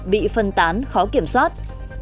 bị phân tán khó kiểm soát